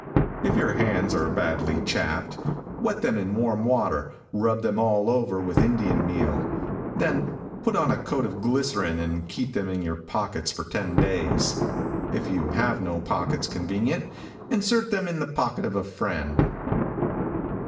If your hands are badly chapped, wet them in warm water, rub them all over with Indian meal, then put on a coat of glycerine and keep them in your pockets for ten days. If you have no pockets convenient, insert them in the pocket of a friend.